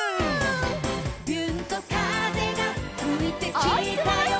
「びゅーんと風がふいてきたよ」